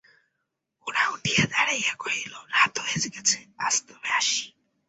গোরা উঠিয়া দাঁড়াইয়া কহিল, রাত হয়ে গেছে, আজ তবে আসি।